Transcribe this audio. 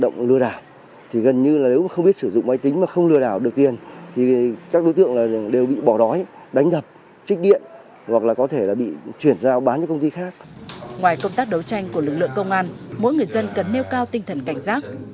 ngoài công tác đấu tranh của lực lượng công an mỗi người dân cần nêu cao tinh thần cảnh giác